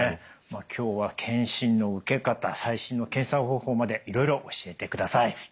今日は検診の受け方最新の検査方法までいろいろ教えてください。